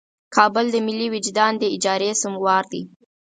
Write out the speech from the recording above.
کابل د ملي وجدان د اجارې سموار دی.